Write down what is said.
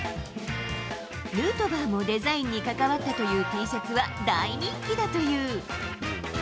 ヌートバーもデザインに関わったというＴシャツは大人気だという。